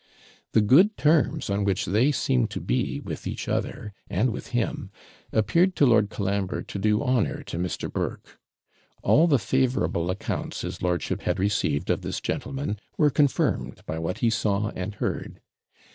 The good terms on which they seemed to be with each other, and with him, appeared to Lord Colambre to do honour to Mr. Burke. All the favourable accounts his lordship had received of this gentleman were confirmed by what he saw and heard.